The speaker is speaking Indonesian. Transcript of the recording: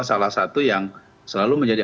salah satu yang selalu menjadi